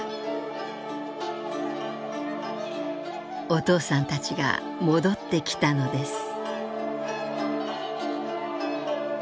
「お父さんたちが戻ってきたのです」。